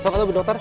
sop atau bu dokter